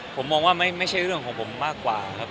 ผมมองว่าไม่ใช่เรื่องของผมมากกว่าครับ